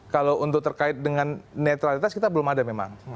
kalau untuk terkait dengan netralitas kita belum ada memang